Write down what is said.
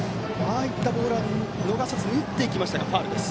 ああいったボールは逃さず打ちましたがファウルです。